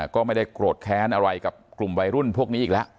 ก็ไม่ได้โกรธแค้นอะไรกับกลุ่มวัยรุ่นพวกนี้อีกแล้ว